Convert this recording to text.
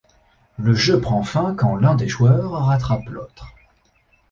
Le jeu prend fin quand l’un des joueurs rattrape l’autre.